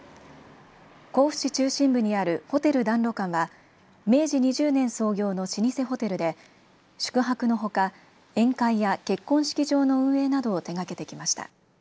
甲府市中心部にあるホテル談露館は明治２０年創業の老舗ホテルで宿泊のほか宴会や結婚式場の運営などを手がけてきました。